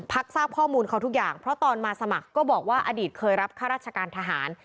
ทราบข้อมูลเขาทุกอย่างเพราะตอนมาสมัครก็บอกว่าอดีตเคยรับข้าราชการทหาร